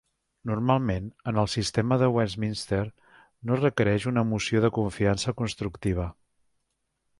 Normalment, en el sistema de Westminster no es requereix una moció de confiança constructiva.